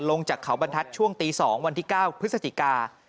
ลงจากเขาบรรทัศน์ช่วงตี๒วันที่๙พฤศจิกา